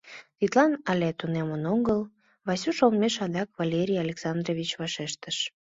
— Тидлан але тунемын огыл, — Васюш олмеш адакат Валерий Александровичак вашештыш.